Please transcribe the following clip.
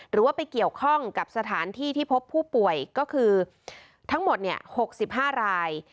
หรือว่าไปเกี่ยวข้องกับสถานที่ที่พบผู้ป่วยก็คือทั้งหมด๖๕ราย